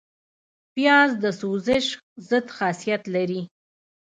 پیاز د سوزش ضد خاصیت لري